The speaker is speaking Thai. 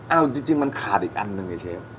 เอาจริงมันขาดอีกอันหนึ่งไอ้เชฟ